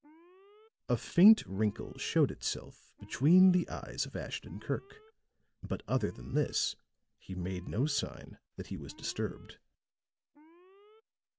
A faint wrinkle showed itself between the eyes of Ashton Kirk; but other than this he made no sign that he was disturbed.